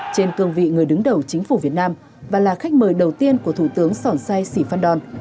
trên cương vị người đứng đầu chính phủ việt nam và là khách mời đầu tiên của thủ tướng sòn sai sì phan đòn